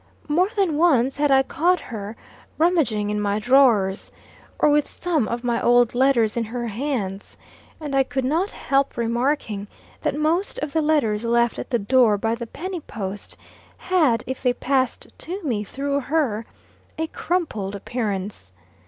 More than once had I caught her rummaging in my drawers, or with some of my old letters in her hands; and I could not help remarking that most of the letters left at the door by the penny post, had, if they passed to me through her, a crumpled appearance.